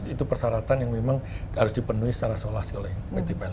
itu persyaratan yang memang harus dipenuhi secara seolah seolah oleh pppl ini